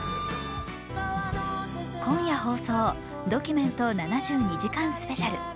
今夜放送「ドキュメント７２時間スペシャル」。